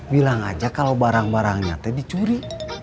bilang aja kalau barang barang nyata dicuri